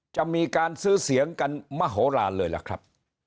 จะมีการซื้อเสียงกันมโหลานเลยล่ะครับ